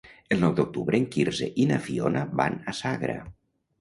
El nou d'octubre en Quirze i na Fiona van a Sagra.